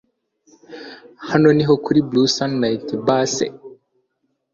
hano niho kuri blue sunlight bar se!